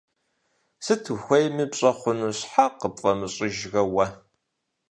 Сыт ухуейми пщӀэ хъуну щхьэ къыпфӀэщӀыжрэ уэ?